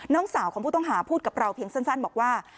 น้องสาวของผู้ต้องหาพูดกับเราเพียงสั้นบอกว่า